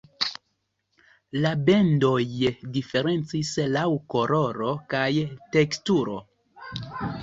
La bendoj diferencis laŭ koloro kaj teksturo.